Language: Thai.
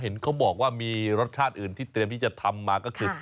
เห็นเขาบอกว่ามีรสชาติอื่นที่เตรียมที่จะทำมาก็คือ